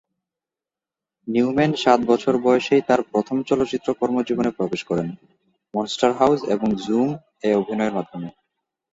Neumann সাত বছর বয়সেই তার প্রথম চলচ্চিত্র কর্মজীবনে প্রবেশ করেন, "মনস্টার হাউজ" এবং "জুম"-এ অভিনয়ের মাধ্যমে।